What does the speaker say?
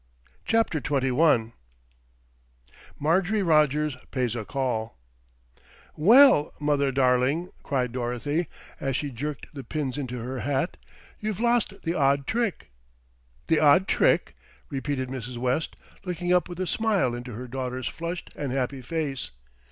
CHAPTER XXI MARJORIE ROGERS PAYS A CALL "Well, mother darling," cried Dorothy, as she jerked the pins into her hat, "you've lost the odd trick." "The odd trick!" repeated Mrs. West, looking up with a smile into her daughter's flushed and happy face.